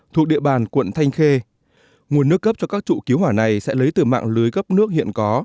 thuộc địa bàn quận thanh khê nguồn nước cấp cho các trụ cứu hỏa này sẽ lấy từ mạng lưới cấp nước hiện có